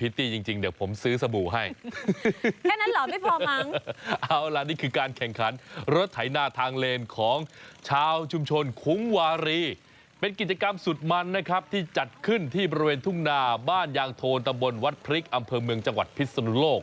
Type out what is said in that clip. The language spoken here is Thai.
พิษตี้นิวนาวเป็นการแข่งขันรถไถนาที่จังหวัดพิษนุโลก